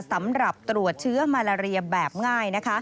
สำหรับตรวจเชื้อมาลาเรียแบบง่ายนะคะ